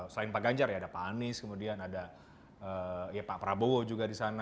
selain pak ganjar ya ada pak anies kemudian ada ya pak prabowo juga di sana